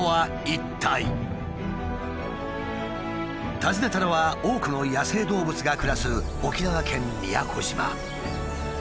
訪ねたのは多くの野生動物が暮らす沖縄県宮古島。